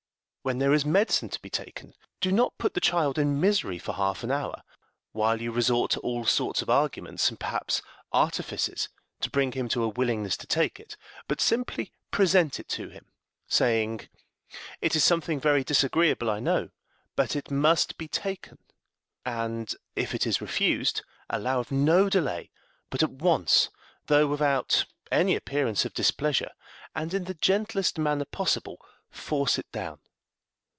When there is medicine to be taken, do not put the child in misery for half an hour while you resort to all sorts of arguments, and perhaps artifices, to bring him to a willingness to take it; but simply present it to him, saying, "It is something very disagreeable, I know, but it must be taken;" and if it is refused, allow of no delay, but at once, though without any appearance of displeasure, and in the gentlest manner possible, force it down.